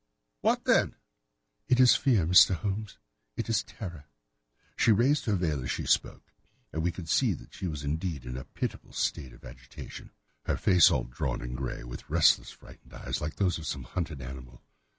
"What, then?" "It is fear, Mr. Holmes. It is terror." She raised her veil as she spoke, and we could see that she was indeed in a pitiable state of agitation, her face all drawn and grey, with restless frightened eyes, like those of some hunted animal.